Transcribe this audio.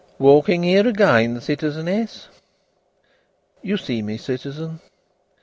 "Walking here again, citizeness?" "You see me, citizen!"